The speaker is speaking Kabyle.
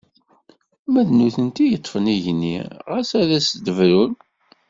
Ma d nutni i yeṭṭfen igenni, ɣas ad s-d-brun!